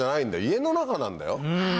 家の中なんだよ。